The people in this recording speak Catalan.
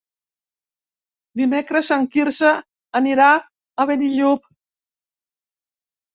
Divendres en Quirze anirà a Benillup.